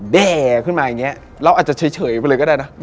แด่ขึ้นมาอย่างนี้เราอาจจะเฉยไปเลยก็ได้นะ